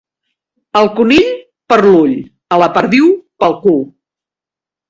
Al conill, per l'ull; a la perdiu, pel cul.